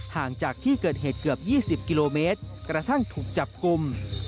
ห่างจากที่เกิดเหตุเกือบ๒๐กิโลเมตรกระทั่งถูกจับกลุ่ม